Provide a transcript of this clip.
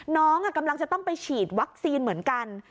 น้องกำลังจะต้องไปฉีดวัคซีนเหมือนกัน